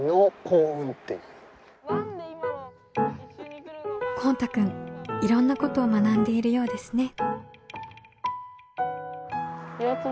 こうたくんいろんなことを学んでいるようですね。